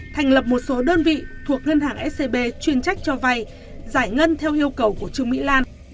thành lập một số đơn vị thuộc ngân hàng scb chuyên trách cho vay giải ngân theo yêu cầu của trương mỹ lan